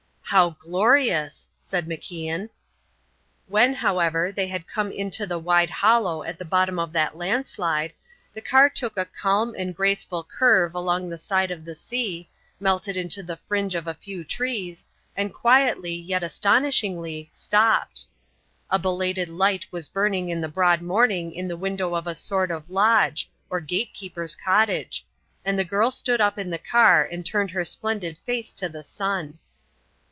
"How glorious!" said MacIan. When, however, they had come into the wide hollow at the bottom of that landslide, the car took a calm and graceful curve along the side of the sea, melted into the fringe of a few trees, and quietly, yet astonishingly, stopped. A belated light was burning in the broad morning in the window of a sort of lodge or gate keepers' cottage; and the girl stood up in the car and turned her splendid face to the sun.